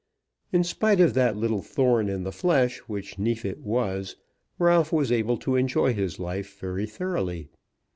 In spite of that little thorn in the flesh which Neefit was, Ralph was able to enjoy his life very thoroughly.